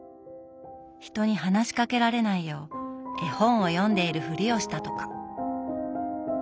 人に話しかけられないよう絵本を読んでいるふりをしたとか。